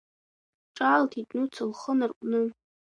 Ҿаалҭит нуца лхы нарҟәны.